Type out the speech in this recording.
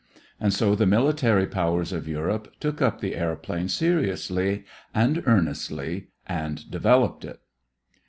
And so the military powers of Europe took up the airplane seriously and earnestly and developed it.